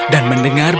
dan mendengar berita